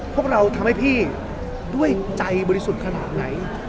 พวกเราทำให้พี่ด้วยใจบริสุทธิ์ขนาดไหน